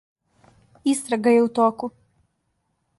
Истрага је у току.